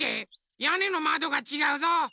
やねのまどがちがうぞ！